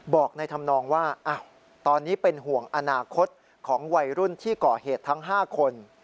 บอกในธรรมนองว่าตอนนี้เป็นห่วงอนาคตของวัยรุ่นที่ก่อเหตุทั้ง๕คน